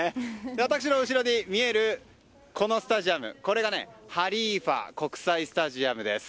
私の後ろに見えるスタジアムがハリーファ国際スタジアムです。